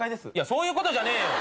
そういうことじゃねえよ！